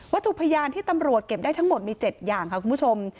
ถูกพยานที่ตำรวจเก็บได้ทั้งหมดมี๗อย่างค่ะคุณผู้ชม